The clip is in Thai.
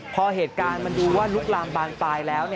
พอเหตุการณ์มันดูว่าลุกลามบานปลายแล้ว